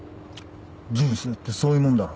人生ってそういうもんだろ？